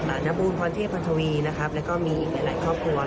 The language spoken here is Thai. อาณภูครนที่พันธวีและอีกอีกหลายครอบครัว